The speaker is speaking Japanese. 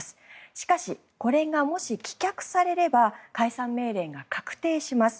しかし、これがもし棄却されれば解散命令が確定します。